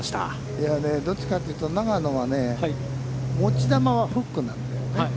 いやね、どっちかというと永野はね、持ち球はフックなんだよね。